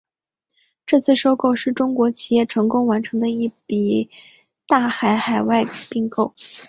这次收购是中国企业成功完成的最大一笔海外并购。